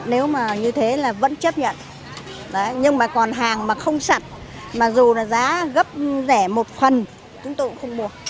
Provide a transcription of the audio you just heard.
nếu như thế là vẫn chấp nhận nhưng còn hàng mà không sạch dù giá gấp rẻ một phần chúng tôi cũng không mua